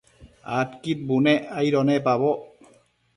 Adquid bunec aido nepaboc